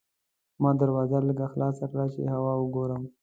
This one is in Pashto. ما دروازه لږه خلاصه کړه چې هوا وګورم.